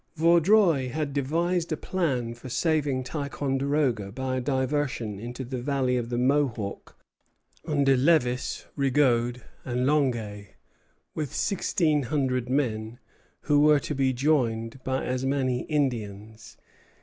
Vaudreuil had devised a plan for saving Ticonderoga by a diversion into the valley of the Mohawk under Lévis, Rigaud, and Longueuil, with sixteen hundred men, who were to be joined by as many Indians.